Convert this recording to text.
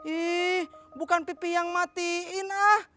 ih bukan pipi yang matiin ah